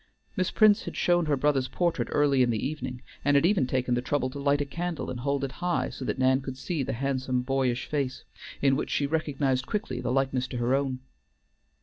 Miss Prince had shown her brother's portrait early in the evening, and had even taken the trouble to light a candle and hold it high, so that Nan could see the handsome, boyish face, in which she recognized quickly the likeness to her own.